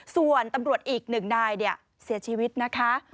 ส่วนตำรวจอีกหนึ่งนายเสียชีวิตนะคะ